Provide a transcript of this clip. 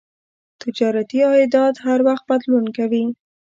تجارتي عایدات هر وخت بدلون کوي.